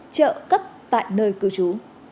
trợ cất tại nơi cửa chú